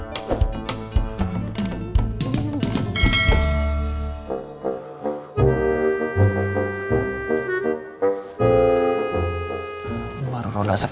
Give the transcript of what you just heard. beri makan sadece intro bebisari kan